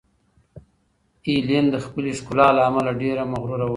ایلین د خپلې ښکلا له امله ډېره مغروره وه.